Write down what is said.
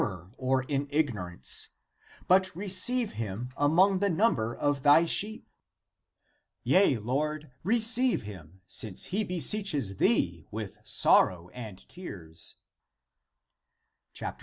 ACTS OF PETER 'J'J or in ignorance ; but receive him among the number of thy sheep. Yea, Lord, receive him, since he be seeches thee with sorrow and with tears."